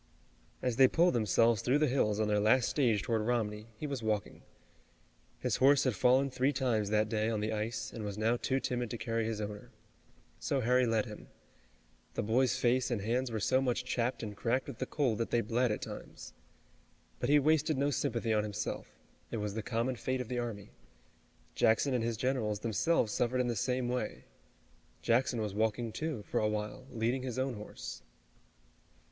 As they pulled themselves through the hills on their last stage toward Romney, he was walking. His horse had fallen three times that day on the ice, and was now too timid to carry his owner. So Harry led him. The boy's face and hands were so much chapped and cracked with the cold that they bled at times. But he wasted no sympathy on himself. It was the common fate of the army. Jackson and his generals, themselves, suffered in the same way. Jackson was walking, too, for a while, leading his own horse.